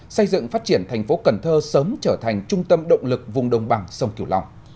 xây dựng phát triển thành phố cần thơ sớm trở thành trung tâm động lực vùng đồng bằng sông kiều long